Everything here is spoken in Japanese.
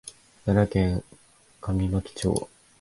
奈良県上牧町